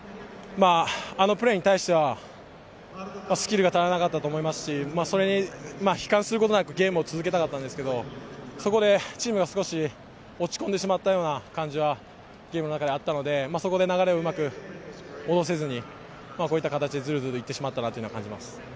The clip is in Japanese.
あのプレーに対してはスキルが足りなかったと思いますし、悲観することなくゲームを続けたかったんですけれども、そこでチームが少し落ち込んでしまったような感じはゲームの中であったので、そこで流れをうまく戻せずに、こういった形でズルズルいってしまったなと感じます。